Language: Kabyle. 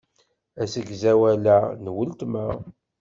Asegzawal-a n weltma.